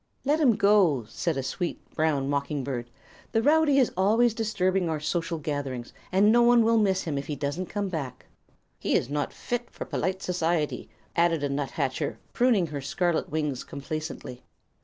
"Let him go," said a sweet brown mocking bird. "The rowdy is always disturbing our social gatherings, and no one will miss him if he doesn't come back." "He is not fit for polite society," added a nuthatcher, pruning her scarlet wings complacently.